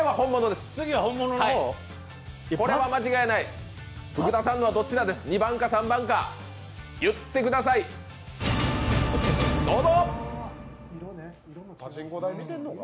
これは間違いない、福田さんのは２番か３番か、言ってください、どうぞ。